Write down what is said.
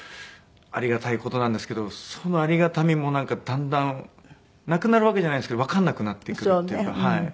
ありがたい事なんですけどそのありがたみもだんだんなくなるわけじゃないんですけどわかんなくなっていくっていうのが。